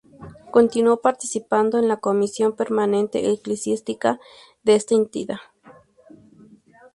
Continuó participando en la Comisión permanente eclesiástica de esta entidad.